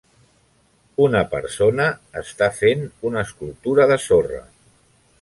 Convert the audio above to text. Una persona està fent una escultura de sorra.